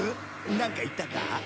なんか言ったか？